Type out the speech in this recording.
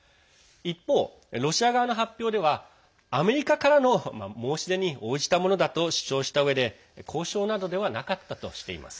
一方、ロシア側の発表ではアメリカからの申し出に応じたものだと主張したうえで交渉などではなかったとしています。